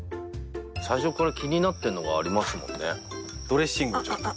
最初から気になってるのがありますもんね。